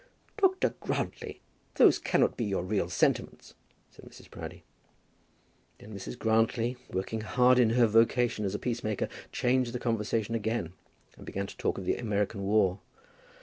"Dr. Grantly, those cannot be your real sentiments," said Mrs. Proudie. Then Mrs. Grantly, working hard in her vocation as a peacemaker, changed the conversation again, and began to talk of the American war.